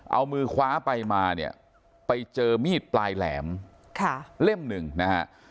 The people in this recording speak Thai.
เอามือคว้าไปมาเนี่ยไปเจอมีดปลายแหลมค่ะเล่มหนึ่งนะฮะ